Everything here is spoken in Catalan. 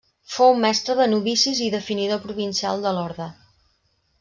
Fou mestre de novicis i definidor provincial de l'orde.